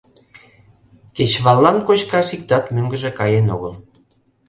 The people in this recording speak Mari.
Кечываллан кочкаш иктат мӧҥгыжӧ каен огыл.